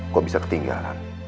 kok bisa ketinggalan